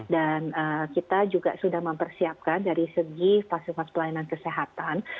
dan kita juga sudah mempersiapkan dari segi pasifas pelayanan kesehatan